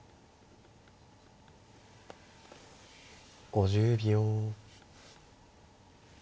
５０秒。